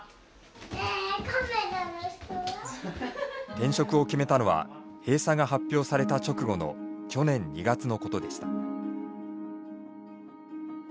転職を決めたのは閉鎖が発表された直後の去年２月のことでした。